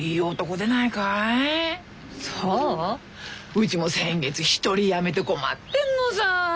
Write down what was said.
うちも先月１人辞めて困ってんのさ。